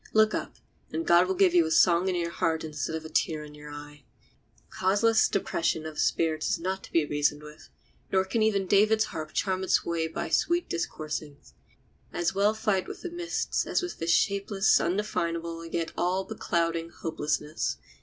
Look up, and God will give you a song in your heart instead of a tear in your eye. Causeless depression of spirits is not to be reasoned with, nor can even David's harp charm it away by sweet discoursings. As well fight with the mists as with this shapeless, undefinable, yet all beclouding, hopelessness.